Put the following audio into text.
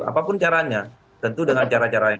apapun caranya tentu dengan cara cara yang